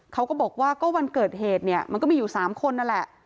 เขาก็บอกว่าก็วันเกิดเหตุเนี่ยมันก็มีอยู่๓คนนั่นแหละ